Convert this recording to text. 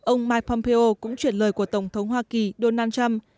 ông mike pompeo cũng chuyển lời của tổng thống hoa kỳ donald trump